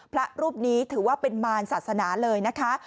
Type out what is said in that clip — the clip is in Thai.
พระรูปนี้ถือว่าเป็นมารศาสนาเลยนะคะ